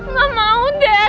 gak mau nel